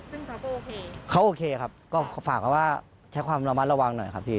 ซึ่งเขาก็โอเคเขาโอเคครับก็ฝากเขาว่าใช้ความระมัดระวังหน่อยครับพี่